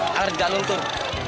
agar tidak luntur